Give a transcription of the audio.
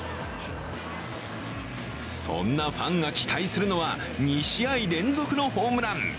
そんなファンが期待するのは２試合連続のホームラン。